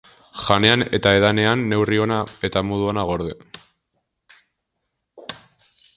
Janean eta edanean neurri ona eta modu ona gorde.